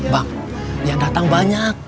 bang yang datang banyak